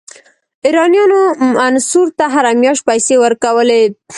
ایرانیانو منصور ته هره میاشت پیسې ورکولې.